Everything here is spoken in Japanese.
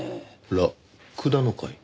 らくだの会？